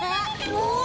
うわ！